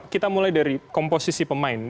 kita mulai dari komposisi pemain